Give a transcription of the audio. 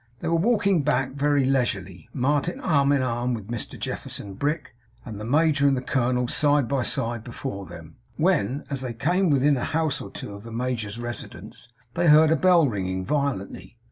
They were walking back very leisurely; Martin arm in arm with Mr Jefferson Brick, and the major and the colonel side by side before them; when, as they came within a house or two of the major's residence, they heard a bell ringing violently.